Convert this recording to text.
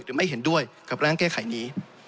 ไม่เห็นด้วยกับร่างแก้ไขนี้